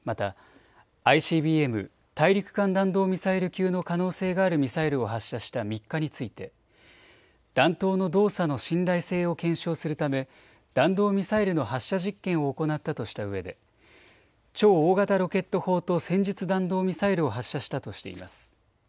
また、ＩＣＢＭ・大陸間弾道ミサイル級の可能性があるミサイルを発射した３日について弾頭の動作の信頼性を検証するため弾道ミサイルの発射実験を行ったとしたうえで、超大型ロケット砲と戦術弾道ミサイルを発射したとしています。